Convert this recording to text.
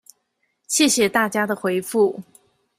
謝謝大家的回覆